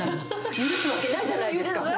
許すわけないじゃないですか。